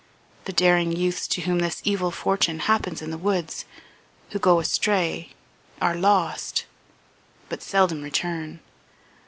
The daring youths to whom this evil fortune happens in the woods, who go astray are lost but seldom return.